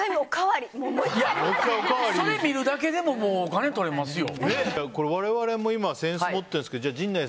それ見るだけでも金とれますよ。